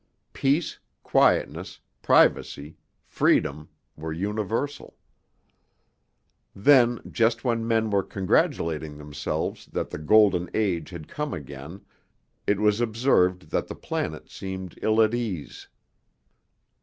Peace, quietness, privacy, freedom were universal. Then, just when men were congratulating themselves that the Golden Age had come again, it was observed that the planet seemed ill at ease.